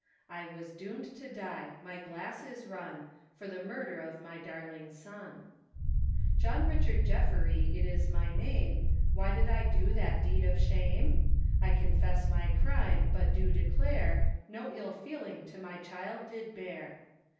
I am doomed to die, my glass is run, For the murder of my darling son. John Richard Jeffery, it is my name, Why did I do that deed of shame? I confess my crime, but do declare, No ill feeling to my child did bear.